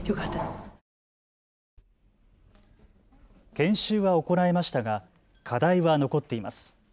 研修は行いましたが課題は残っています。